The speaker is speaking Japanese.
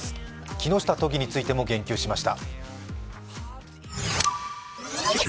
木下都議についても言及しました。